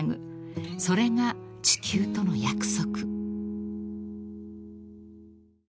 ［それが地球との約束］